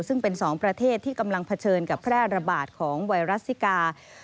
ซึ่งเป็น๒ประเทศที่กำลังเผชิญกับแพร่ระบาดของไวรัสซิกา